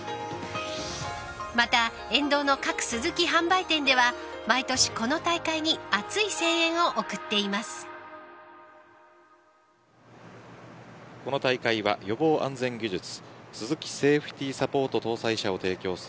また沿道の各スズキ販売店では毎年この大会に熱い声援を送っています。